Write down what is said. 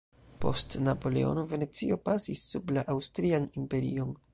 Post Napoleono, Venecio pasis sub la Aŭstrian Imperion.